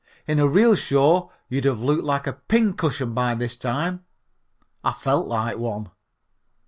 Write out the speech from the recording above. "In a real show you'd have looked like a pin cushion by this time." I felt like one.